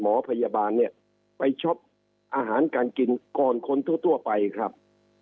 หมอพยาบาลเนี่ยไปช็อปอาหารการกินก่อนคนทั่วไปครับ